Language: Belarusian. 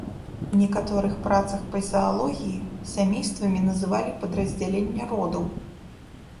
У некаторых працах па заалогіі сямействамі называлі падраздзялення родаў.